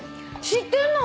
知ってんの？